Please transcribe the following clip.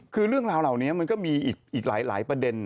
คือเรื่องราวเหล่านี้มันก็มีอีกหลายประเด็น